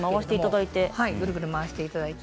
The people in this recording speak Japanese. くるくる回していただいて。